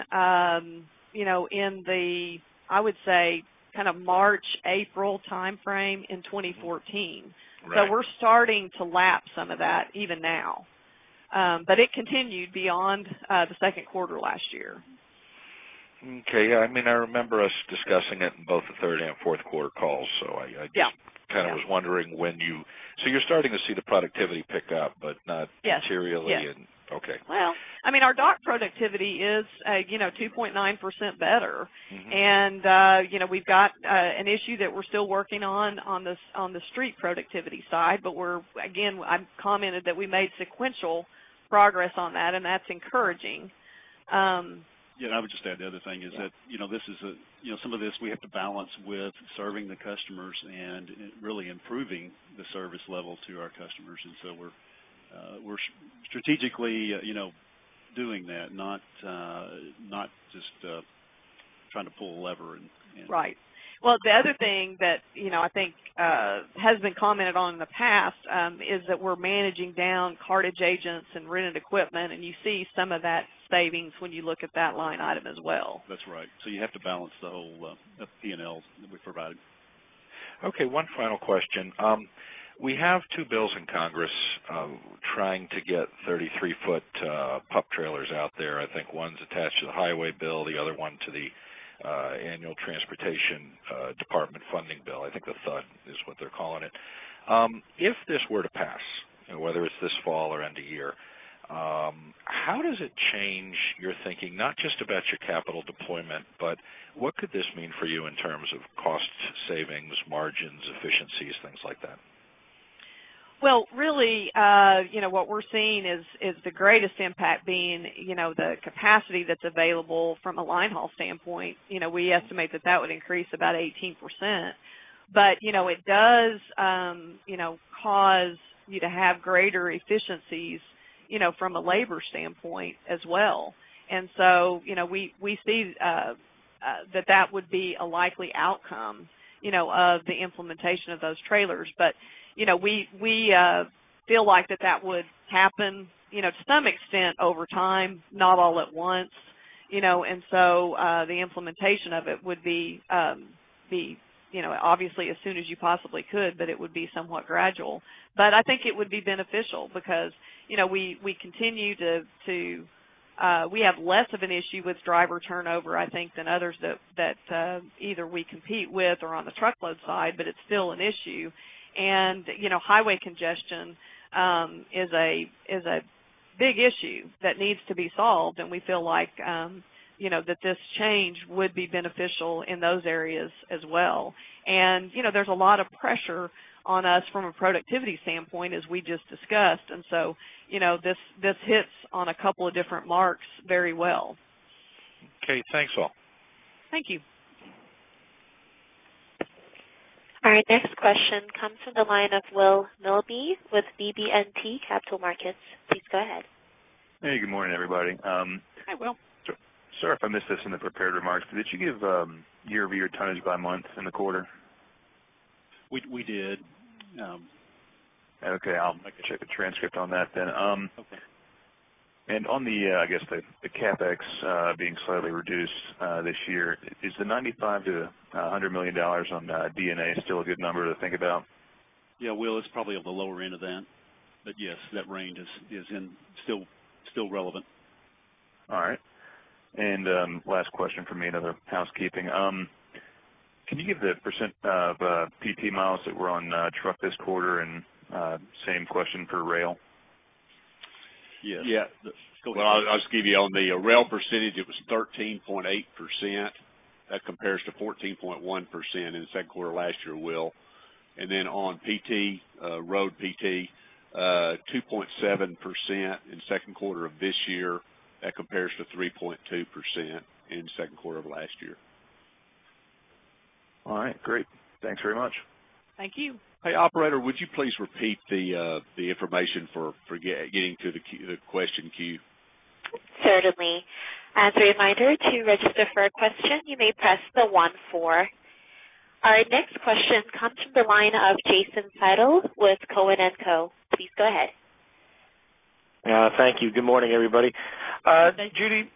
in the, I would say, kind of March, April timeframe in 2014. So we're starting to lap some of that even now, but it continued beyond the second quarter last year. Okay. Yeah, I mean, I remember us discussing it in both the third and fourth quarter calls, so I just kind of was wondering when you so you're starting to see the productivity pick up, but not materially in? Yes. Well, I mean, our dock productivity is 2.9% better. We've got an issue that we're still working on on the street productivity side, but again, I've commented that we made sequential progress on that, and that's encouraging. Yeah, and I would just add the other thing is that this is some of this we have to balance with serving the customers and really improving the service level to our customers. And so we're strategically doing that, not just trying to pull a lever and. Right. Well, the other thing that I think has been commented on in the past is that we're managing down cartage agents and rented equipment, and you see some of that savings when you look at that line item as well. That's right. So you have to balance the whole P&L that we provided. Okay. One final question. We have two bills in Congress trying to get 33-foot pup trailers out there. I think one's attached to the highway bill, the other one to the annual transportation department funding bill. I think the THUD is what they're calling it. If this were to pass, whether it's this fall or end of year, how does it change your thinking, not just about your capital deployment, but what could this mean for you in terms of cost savings, margins, efficiencies, things like that? Well, really, what we're seeing is the greatest impact being the capacity that's available from a linehaul standpoint. We estimate that that would increase about 18%, but it does cause you to have greater efficiencies from a labor standpoint as well. And so we see that that would be a likely outcome of the implementation of those trailers. But we feel like that that would happen to some extent over time, not all at once. And so the implementation of it would be obviously as soon as you possibly could, but it would be somewhat gradual. But I think it would be beneficial because we continue to we have less of an issue with driver turnover, I think, than others that either we compete with or on the truckload side, but it's still an issue. Highway congestion is a big issue that needs to be solved, and we feel like that this change would be beneficial in those areas as well. There's a lot of pressure on us from a productivity standpoint, as we just discussed. So this hits on a couple of different marks very well. Okay. Thanks, all. Thank you. All right, next question comes from the line of Will Milby with BB&T Capital Markets. Please go ahead. Hey, good morning, everybody. Hi, Will. Sir, if I missed this in the prepared remarks, did you give year-over-year tonnage by month in the quarter? We did. Okay. I'll check a transcript on that then. And on the, I guess, the CapEx being slightly reduced this year, is the $95 million-$100 million on D&A still a good number to think about? Yeah, Will, it's probably on the lower end of that. But yes, that range is still relevant. All right. And last question from me, another housekeeping. Can you give the percent of PT miles that were on truck this quarter? And same question for rail. Yes. Well, I'll just give you on the rail percentage. It was 13.8%. That compares to 14.1% in the second quarter last year, Will. And then on PT, road PT, 2.7% in second quarter of this year. That compares to 3.2% in second quarter of last year. All right. Great. Thanks very much. Thank you. Hey, operator, would you please repeat the information for getting to the question queue? Certainly. As a reminder, to register for a question, you may press the 14. All right, next question comes from the line of Jason Seidl with Cowen and Company. Please go ahead. Yeah, thank you. Good morning, everybody. Hey, Judy.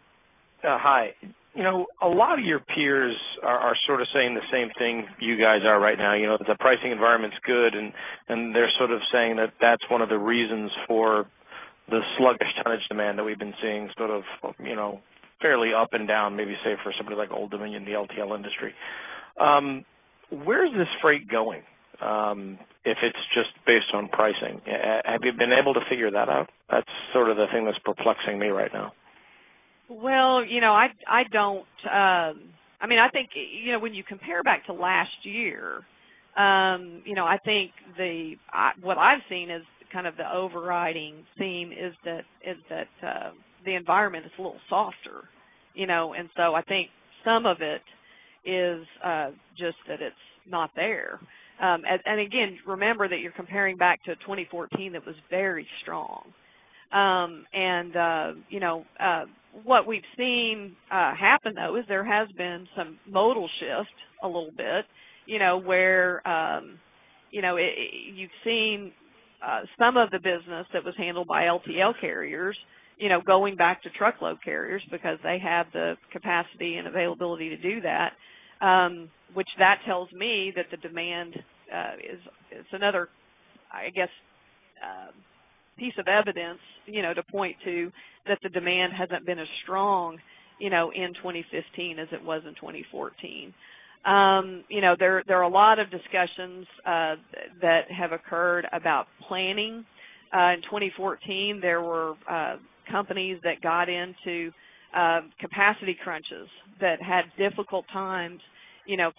Hi. A lot of your peers are sort of saying the same thing you guys are right now, that the pricing environment's good, and they're sort of saying that that's one of the reasons for the sluggish tonnage demand that we've been seeing sort of fairly up and down, maybe say for somebody like Old Dominion, the LTL industry. Where's this freight going if it's just based on pricing? Have you been able to figure that out? That's sort of the thing that's perplexing me right now. Well, I don't. I mean, I think when you compare back to last year, I think what I've seen is kind of the overriding theme is that the environment is a little softer. And so I think some of it is just that it's not there. And again, remember that you're comparing back to 2014 that was very strong. And what we've seen happen, though, is there has been some modal shift a little bit where you've seen some of the business that was handled by LTL carriers going back to truckload carriers because they have the capacity and availability to do that, which that tells me that the demand is another, I guess, piece of evidence to point to that the demand hasn't been as strong in 2015 as it was in 2014. There are a lot of discussions that have occurred about planning. In 2014, there were companies that got into capacity crunches that had difficult times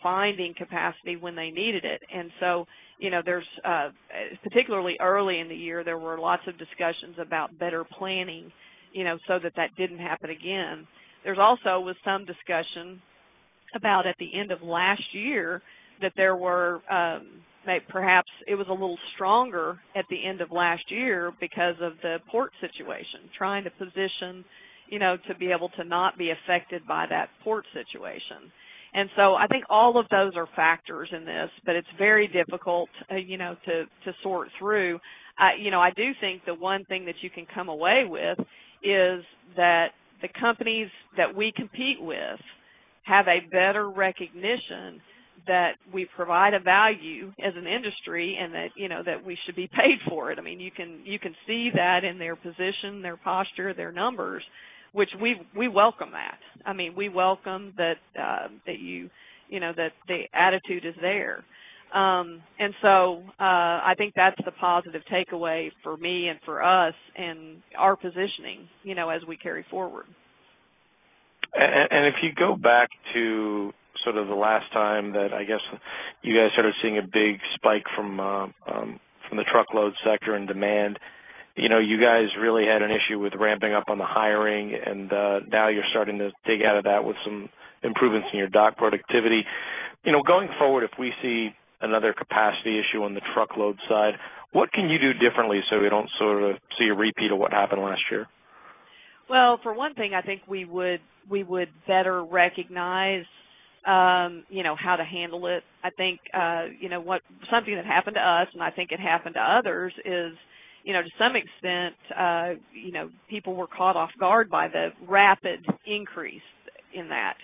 finding capacity when they needed it. And so particularly early in the year, there were lots of discussions about better planning so that that didn't happen again. There also was some discussion about at the end of last year that there were perhaps it was a little stronger at the end of last year because of the port situation, trying to position to be able to not be affected by that port situation. And so I think all of those are factors in this, but it's very difficult to sort through. I do think the one thing that you can come away with is that the companies that we compete with have a better recognition that we provide a value as an industry and that we should be paid for it. I mean, you can see that in their position, their posture, their numbers, which we welcome. I mean, we welcome that the attitude is there. And so I think that's the positive takeaway for me and for us and our positioning as we carry forward. If you go back to sort of the last time that, I guess, you guys started seeing a big spike from the truckload sector in demand, you guys really had an issue with ramping up on the hiring, and now you're starting to dig out of that with some improvements in your dock productivity. Going forward, if we see another capacity issue on the truckload side, what can you do differently so we don't sort of see a repeat of what happened last year? Well, for one thing, I think we would better recognize how to handle it. I think something that happened to us, and I think it happened to others, is to some extent, people were caught off guard by the rapid increase in that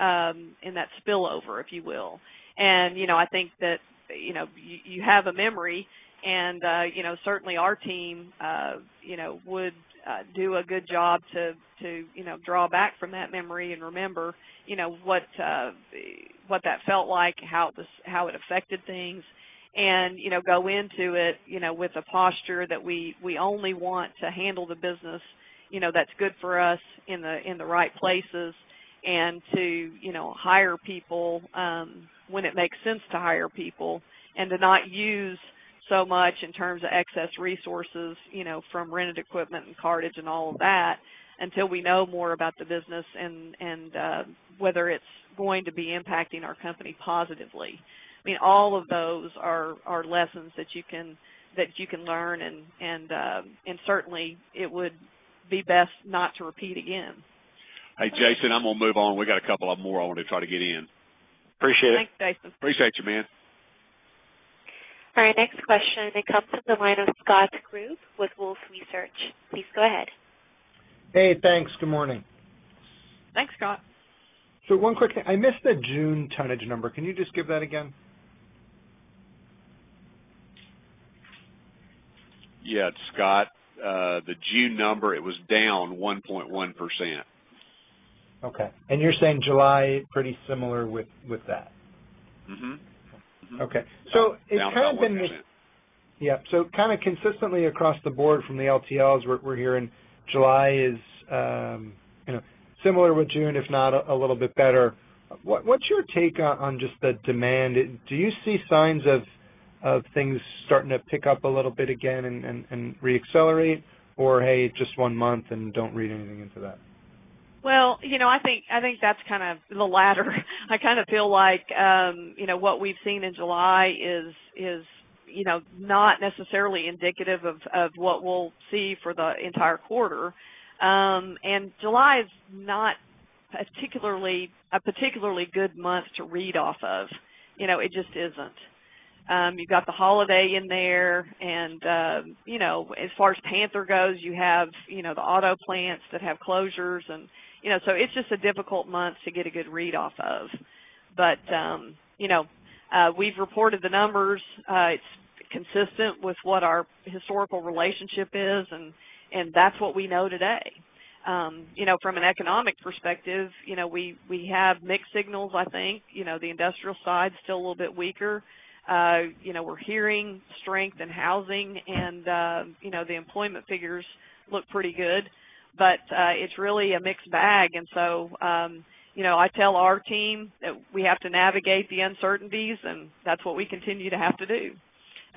spillover, if you will. I think that you have a memory, and certainly our team would do a good job to draw back from that memory and remember what that felt like, how it affected things, and go into it with a posture that we only want to handle the business that's good for us in the right places and to hire people when it makes sense to hire people and to not use so much in terms of excess resources from rented equipment and cartage and all of that until we know more about the business and whether it's going to be impacting our company positively. I mean, all of those are lessons that you can learn, and certainly, it would be best not to repeat again. Hey, Jason, I'm going to move on. We got a couple more I want to try to get in. Appreciate it. Thanks, Jason. Appreciate you, man. All right, next question. It comes from the line of Scott Group with Wolfe Research. Please go ahead. Hey, thanks. Good morning. Thanks, Scott. One quick thing. I missed the June tonnage number. Can you just give that again? Yeah, it's Scott. The June number, it was down 1.1%. Okay. And you're saying July pretty similar with that? Mm-hmm. Okay. So it's kind of been. Down 1.1%. Yeah. So kind of consistently across the board from the LTLs, we're hearing July is similar with June, if not a little bit better. What's your take on just the demand? Do you see signs of things starting to pick up a little bit again and reaccelerate, or, hey, just one month and don't read anything into that? Well, I think that's kind of the latter. I kind of feel like what we've seen in July is not necessarily indicative of what we'll see for the entire quarter. July is not a particularly good month to read off of. It just isn't. You've got the holiday in there, and as far as Panther goes, you have the auto plants that have closures. So it's just a difficult month to get a good read off of. But we've reported the numbers. It's consistent with what our historical relationship is, and that's what we know today. From an economic perspective, we have mixed signals, I think. The industrial side's still a little bit weaker. We're hearing strength in housing, and the employment figures look pretty good. But it's really a mixed bag. I tell our team that we have to navigate the uncertainties, and that's what we continue to have to do.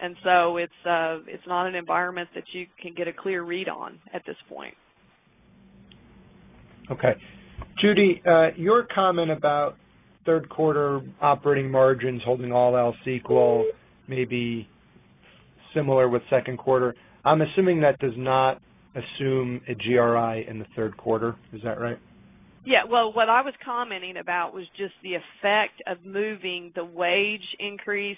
It's not an environment that you can get a clear read on at this point. Okay. Judy, your comment about third quarter operating margins holding all else equal, maybe similar with second quarter, I'm assuming that does not assume a GRI in the third quarter. Is that right? Yeah. Well, what I was commenting about was just the effect of moving the wage increase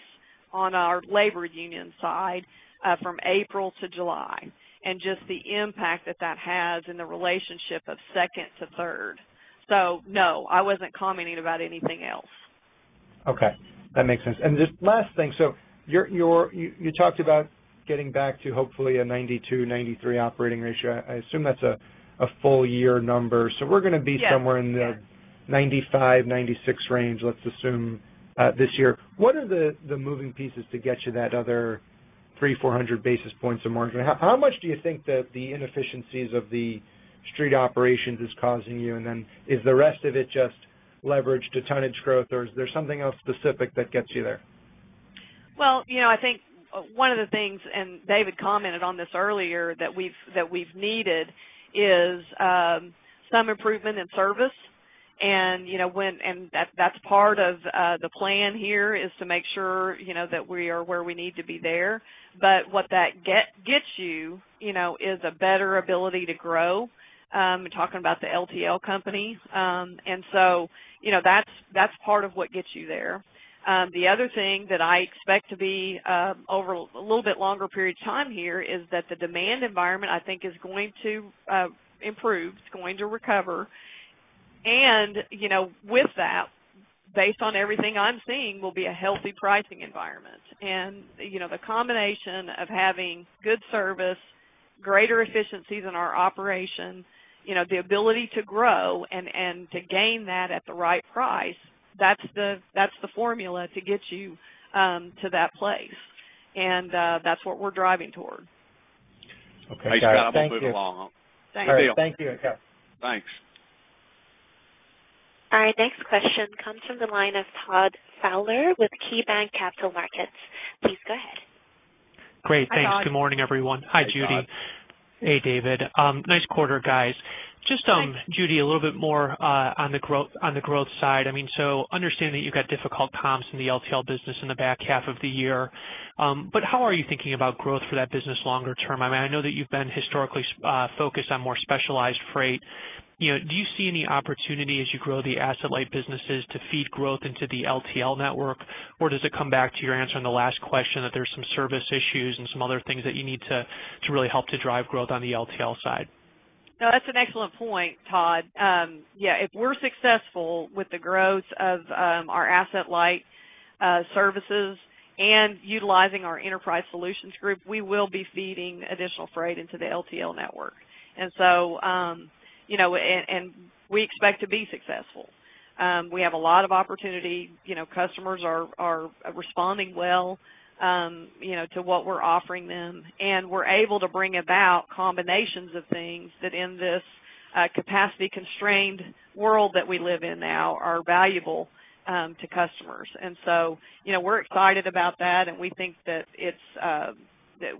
on our labor union side from April to July and just the impact that that has in the relationship of second to third. So no, I wasn't commenting about anything else. Okay. That makes sense. And just last thing. So you talked about getting back to, hopefully, a 92-93 operating ratio. I assume that's a full-year number. So we're going to be somewhere in the 95-96 range, let's assume, this year. What are the moving pieces to get you that other 300-400 basis points of margin? How much do you think that the inefficiencies of the street operations is causing you? And then is the rest of it just leveraged to tonnage growth, or is there something else specific that gets you there? Well, I think one of the things, and David commented on this earlier, that we've needed is some improvement in service. And that's part of the plan here, is to make sure that we are where we need to be there. But what that gets you is a better ability to grow, talking about the LTL company. And so that's part of what gets you there. The other thing that I expect to be over a little bit longer period of time here is that the demand environment, I think, is going to improve. It's going to recover. And with that, based on everything I'm seeing, will be a healthy pricing environment. And the combination of having good service, greater efficiencies in our operation, the ability to grow, and to gain that at the right price, that's the formula to get you to that place. And that's what we're driving toward. Okay. Guys. Thank you. I just got to move along. Thank you. All right. Thank you. Thanks. All right, next question comes from the line of Todd Fowler with KeyBanc Capital Markets. Please go ahead. Great. Thanks. Hi, Todd. Good morning, everyone. Hi, Judy. Hey, David. Nice quarter, guys. Just, Judy, a little bit more on the growth side. I mean, so understanding that you've got difficult comps in the LTL business in the back half of the year, but how are you thinking about growth for that business longer term? I mean, I know that you've been historically focused on more specialized freight. Do you see any opportunity as you grow the asset-light businesses to feed growth into the LTL network, or does it come back to your answer in the last question that there's some service issues and some other things that you need to really help to drive growth on the LTL side? No, that's an excellent point, Todd. Yeah, if we're successful with the growth of our asset-light services and utilizing our Enterprise Solutions Group, we will be feeding additional freight into the LTL network. And we expect to be successful. We have a lot of opportunity. Customers are responding well to what we're offering them, and we're able to bring about combinations of things that, in this capacity-constrained world that we live in now, are valuable to customers. And so we're excited about that, and we think that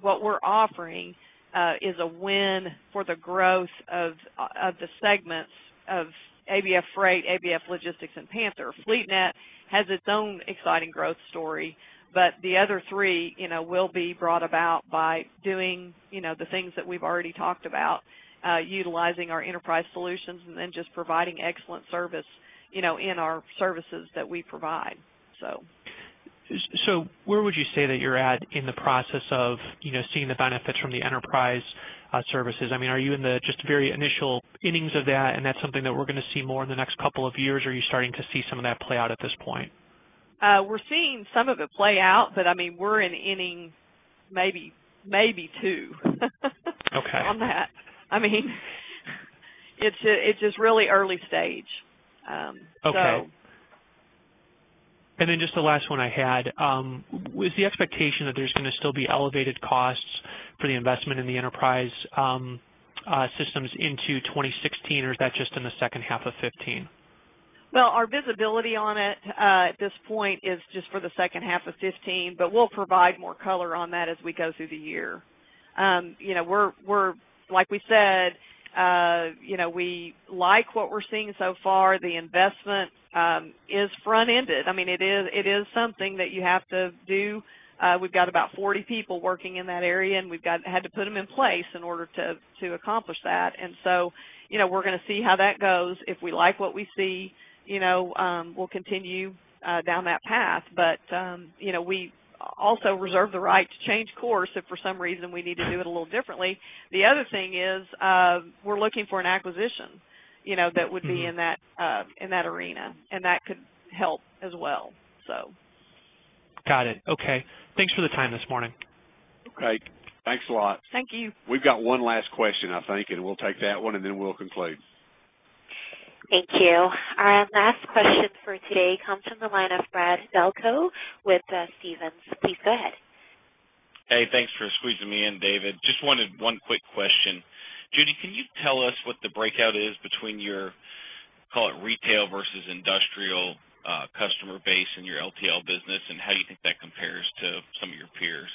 what we're offering is a win for the growth of the segments of ABF Freight, ABF Logistics, and Panther. FleetNet has its own exciting growth story, but the other three will be brought about by doing the things that we've already talked about, utilizing our Enterprise Solutions, and then just providing excellent service in our services that we provide, so. So where would you say that you're at in the process of seeing the benefits from the Enterprise services? I mean, are you in the just very initial innings of that, and that's something that we're going to see more in the next couple of years, or are you starting to see some of that play out at this point? We're seeing some of it play out, but I mean, we're in inning maybe two on that. I mean, it's just really early stage, so. Okay. And then just the last one I had. Is the expectation that there's going to still be elevated costs for the investment in the Enterprise systems into 2016, or is that just in the second half of 2015? Well, our visibility on it at this point is just for the second half of 2015, but we'll provide more color on that as we go through the year. Like we said, we like what we're seeing so far. The investment is front-ended. I mean, it is something that you have to do. We've got about 40 people working in that area, and we've had to put them in place in order to accomplish that. And so we're going to see how that goes. If we like what we see, we'll continue down that path. But we also reserve the right to change course if, for some reason, we need to do it a little differently. The other thing is we're looking for an acquisition that would be in that arena, and that could help as well, so. Got it. Okay. Thanks for the time this morning. Okay. Thanks a lot. Thank you. We've got one last question, I think, and we'll take that one, and then we'll conclude. Thank you. Our last question for today comes from the line of Brad Delco with Stephens. Please go ahead. Hey, thanks for squeezing me in, David. Just wanted one quick question. Judy, can you tell us what the breakout is between your, call it, retail versus industrial customer base in your LTL business and how you think that compares to some of your peers?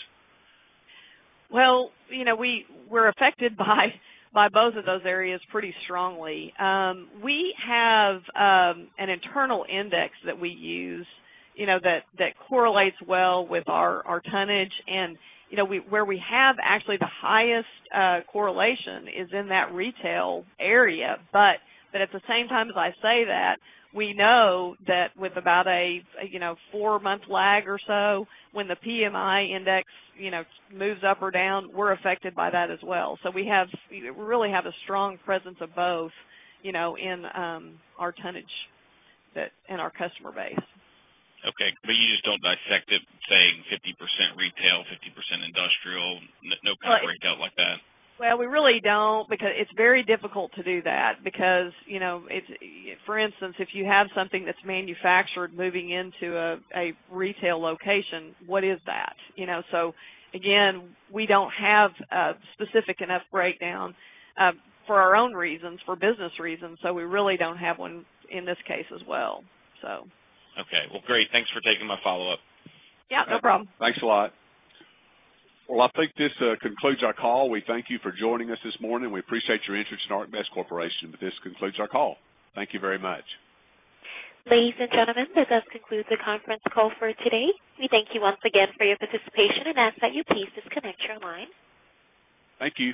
Well, we're affected by both of those areas pretty strongly. We have an internal index that we use that correlates well with our tonnage, and where we have actually the highest correlation is in that retail area. But at the same time as I say that, we know that with about a four-month lag or so when the PMI index moves up or down, we're affected by that as well. So we really have a strong presence of both in our tonnage and our customer base. Okay. But you just don't dissect it, saying 50% retail, 50% industrial, no kind of breakout like that? Well, we really don't because it's very difficult to do that because, for instance, if you have something that's manufactured moving into a retail location, what is that? So again, we don't have a specific enough breakdown for our own reasons, for business reasons, so we really don't have one in this case as well, so. Okay. Well, great. Thanks for taking my follow-up. Yeah, no problem. Thanks a lot. Well, I think this concludes our call. We thank you for joining us this morning. We appreciate your interest in ArcBest Corporation, but this concludes our call. Thank you very much. Ladies and gentlemen, that does conclude the conference call for today. We thank you once again for your participation, and with that, please disconnect your line. Thank you.